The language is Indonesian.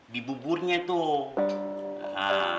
di buburnya tuh